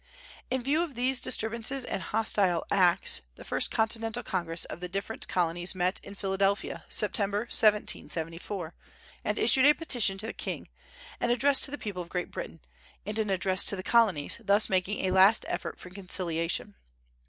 In view of these disturbances and hostile acts, the first Continental Congress of the different colonies met in Philadelphia, September, 1774, and issued a petition to the king, an address to the people of Great Britain, and an address to the Colonies, thus making a last effort for conciliation.